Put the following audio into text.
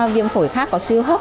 viêm phổi khác có suy hốc